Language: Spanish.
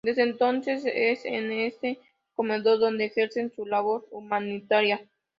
Desde entonces, es en ese comedor donde ejercen su labor humanitaria.